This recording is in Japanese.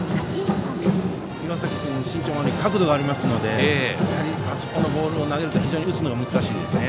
岩崎君、身長があって角度がありますのであそこのボールを投げると非常に打つのが難しいですね。